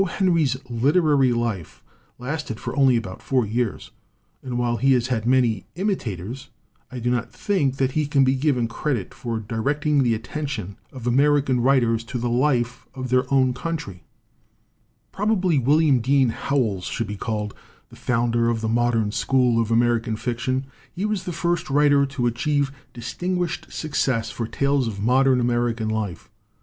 Henry's liter ary life lasted for only about four years, and while he has had many imitators, I do not think that he can be given credit for directing the at tention of American writers to the life of their own country. "Probably William Dean Howells should be galled the founder of the modern school of Ameri LITERATURE IN THE MAKING can fiction. He was the first writer to achieve distinguished success for tales of modern American life.